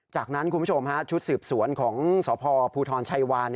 จากนั้นคุณผู้ชมชุดสืบสวนของสพภูทรชัยวาน